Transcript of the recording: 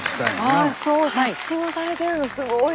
あそう作詞もされてるのすごい。